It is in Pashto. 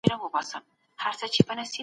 څنګه د موخو ټاکل زموږ ذهن ته لوری ورکوي؟